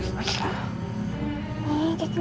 biar aku yang ngejam kan